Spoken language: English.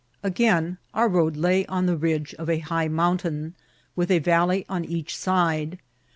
Again onr road lay on the ridge of a high mountain, with a valley on each side.